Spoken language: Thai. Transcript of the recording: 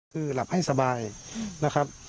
คือหลับให้สบายนะครับ